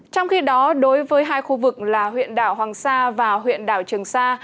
trong khi đó đối với hai khu vực là huyện đảo hoàng sa và huyện đảo trường sa